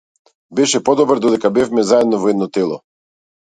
Беше подобро додека бевме заедно во едно тело.